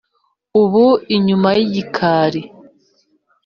ubu inyuma y’igikali